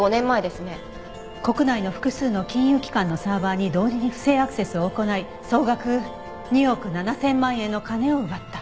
「国内の複数の金融機関のサーバーに同時に不正アクセスを行い総額２億７千万円の金を奪った」